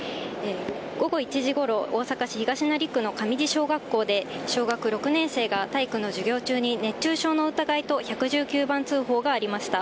午後１時ごろ、大阪市東成区の神路小学校で、小学６年生が体育の授業中に熱中症の疑いと、１１９番通報がありました。